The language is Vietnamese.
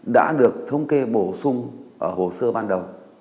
đã được thống kê bổ sung ở hồ sơ ban đầu